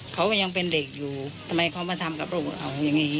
เขาก็ยังเป็นเด็กอยู่ทำไมเขามาทำกับลูกเอาอย่างนี้